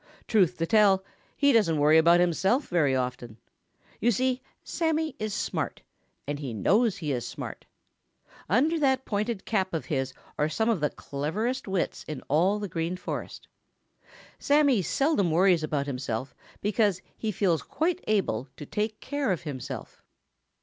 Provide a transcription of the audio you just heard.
Truth to tell, he doesn't worry about himself very often. You see, Sammy is smart, and he knows he is smart. Under that pointed cap of his are some of the cleverest wits in all the Green Forest. Sammy seldom worries about himself because he feels quite able to take care of himself.